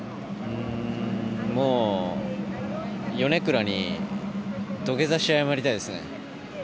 もう米倉に土下座して謝りたいですね。